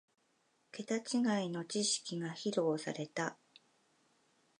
ケタ違いの知識が披露された